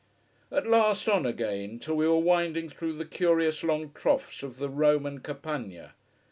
At last on again, till we were winding through the curious long troughs of the Roman Campagna.